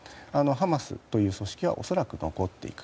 ハマスという組織は恐らく残っていく。